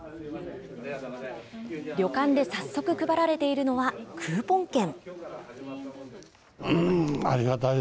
旅館で早速配られているのはクーポン券。